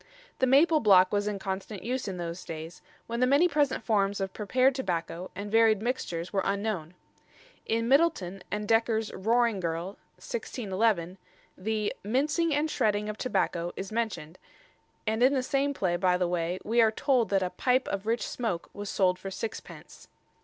The maple block was in constant use in those days, when the many present forms of prepared tobacco and varied mixtures were unknown. In Middleton and Dekker's "Roaring Girl," 1611, the "mincing and shredding of tobacco" is mentioned; and in the same play, by the way, we are told that "a pipe of rich smoak" was sold for sixpence.